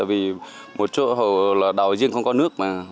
tại vì một chỗ đào riêng không có nước